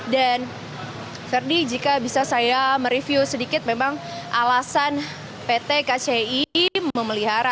dan ferdi jika bisa saya mereview sedikit memang alasan pt kci memelihara